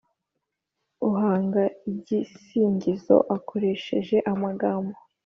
Uhanga igisingizo akoresha amagambo